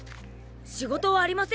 仕事ありませんか？